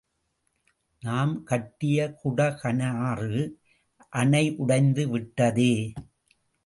நாம் கட்டிய குடகனாறு அணை உடைந்துவிட்டதே!